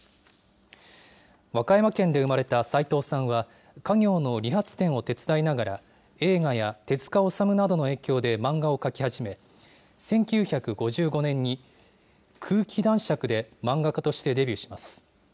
和歌山県で生まれたさいとうさんは、家業の理髪店を手伝いながら、映画や手塚治虫などの影響で、漫画を描き始め、１９５５年に空気男爵で漫画家としてデビューします。